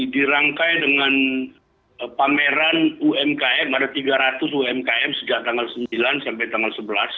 dirangkai dengan pameran umkm ada tiga ratus umkm sejak tanggal sembilan sampai tanggal sebelas